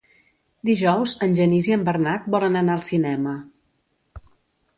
Dijous en Genís i en Bernat volen anar al cinema.